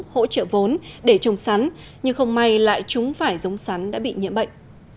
hỗ trợ vốn để trồng sắn nhưng không may lại chúng phải giống sắn đã bị nhiễm bệnh